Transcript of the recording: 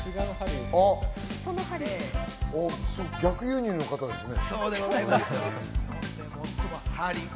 逆輸入の方ですね。